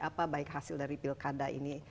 apa baik hasil dari pilkada ini